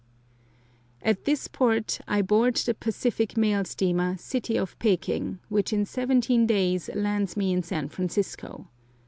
At this port I board the Pacific mail steamer City of Peking, which in seventeen days lands me in San Francisco.